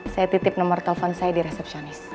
saya titip nomor telepon saya di resepsionis